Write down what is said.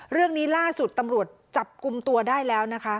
เรื่องนี้ล่าสุดตำรวจจับกลุ่มตัวได้แล้วนะคะ